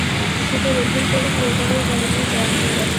শিপের অভ্যন্তরীন লেজারের কারণে জ্যাম হয়ে গেছে!